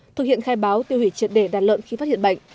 thực hiện khai báo tiêu hủy triệt đề đàn lợn khi phát hiện bệnh